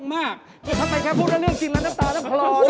ทำไมแค่พูดว่าเรื่องกินแล้วน้ำตาแล้วพลอย